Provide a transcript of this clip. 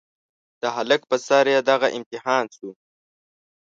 د هلک په سر چې دغه امتحان شو.